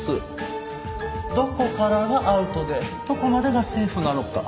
どこからがアウトでどこまでがセーフなのか。